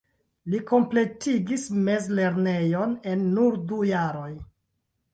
Li kompletigis mezlernejon en nur du jaroj.